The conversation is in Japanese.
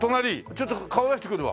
ちょっと顔出してくるわ。